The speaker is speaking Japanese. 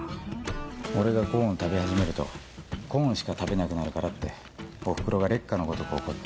俺がコーン食べ始めるとコーンしか食べなくなるからっておふくろが烈火のごとく怒って。